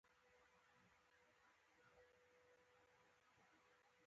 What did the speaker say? مرکب عبارت هغه دﺉ، چي له دوو څخه زیاتي خپلواکي کلیمې راسي.